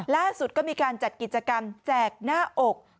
ล่าสุดก็มีการจัดกิจกรรมแจกหน้าอก